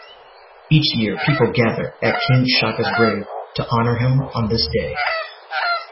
Each year people gather at King Shaka's grave to honour him on this day.